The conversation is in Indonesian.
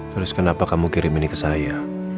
terus kenapa kamu kirim ini ke saya